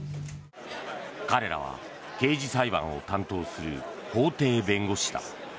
彼らは刑事裁判を担当する法廷弁護士だ。